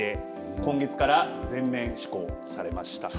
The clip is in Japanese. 今月から全面施行されました。